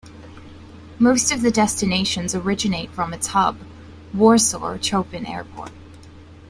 Most of the destinations originate from its hub, Warsaw Chopin Airport.